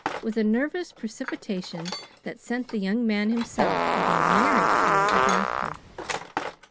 with a nervous precipitation that sent the young man himself into a merry peal of laughter.